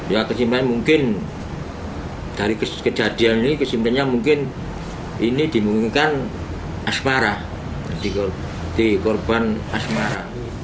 ya kesimpulan mungkin dari kejadian ini kesimpulannya mungkin ini dimungkinkan asmara di korban asmara